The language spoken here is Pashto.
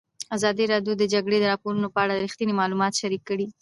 ازادي راډیو د د جګړې راپورونه په اړه رښتیني معلومات شریک کړي.